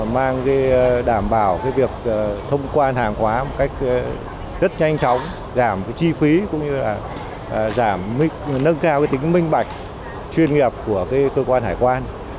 mang đảm bảo việc thông quan hàng hóa một cách rất nhanh chóng giảm chi phí cũng như là nâng cao tính minh bạch chuyên nghiệp của cơ quan hải quan